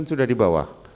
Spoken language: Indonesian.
regi sudah dibawah